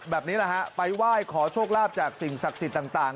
แบบนี้แหละฮะไปไหว้ขอโชคลาภจากสิ่งศักดิ์สิทธิ์ต่าง